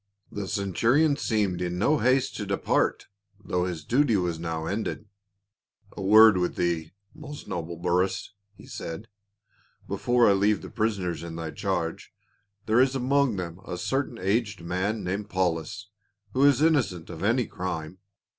The centurion seemed in no haste to depart though his duty was now ended. " A word with thcc, most noble Burrus," he said, "before I leave the prisoners in thy charge. There is among thcmt a certain aged man called I'aulus, who is innocent of any crime.